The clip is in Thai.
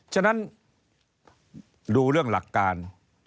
ฉะนั้นดูเรื่องหลักการ